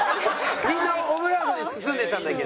みんなオブラートに包んでたんだけど。